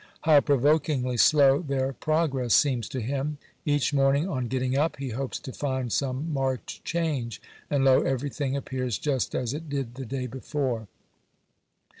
How provokingly slow their progress seems to him. Each morning on getting up he hopes to find some marked change; and lo, everything appears just as it did the day before.